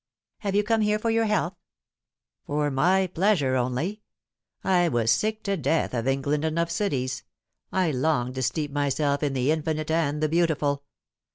Have you come here for your health ?"" For my pleasure only. I was sick to death of England and of cities. I longed to steep myself in the infinite and the beautiful.